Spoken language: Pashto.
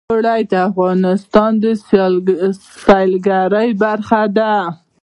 اوړي د افغانستان د سیلګرۍ برخه ده.